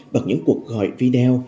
bằng những cuộc gọi video